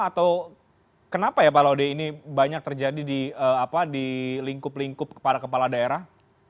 atau kenapa ya pak laude ini banyak terjadi di lingkup lingkup kepala kepala daerah